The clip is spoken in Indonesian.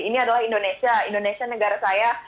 ini adalah indonesia indonesia negara saya